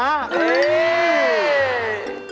เฮ่ย